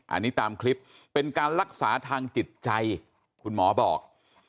อันนี้ตามคลิปเป็นการรักษาทางจิตใจคุณหมอบอก